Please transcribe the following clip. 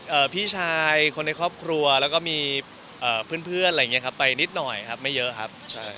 ก็มีพี่ชายคนในครอบครัวแล้วก็มีเพื่อนอะไรอย่างนี้ครับไปนิดหน่อยครับไม่เยอะครับ